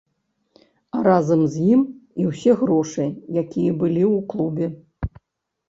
А разам з ім і ўсе грошы, якія былі ў клубе.